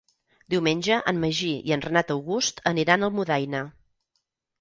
Diumenge en Magí i en Renat August aniran a Almudaina.